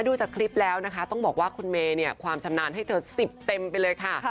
ดูจากคลิปแล้วนะคะต้องบอกว่าคุณเมย์เนี่ยความชำนาญให้เธอ๑๐เต็มไปเลยค่ะ